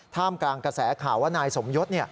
กลางกระแสข่าวว่านายสมยศ